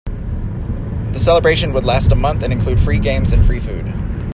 The celebrations would last a month and include free games and free food.